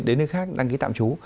đến nơi khác đăng ký tạm chú